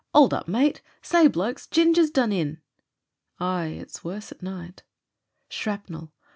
'Old up, mate. Say, blokes, Ging ger's done in !" Aye — ^it's worse at night. Shrapnel!